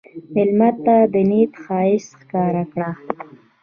مېلمه ته د نیت ښایست ښکاره کړه.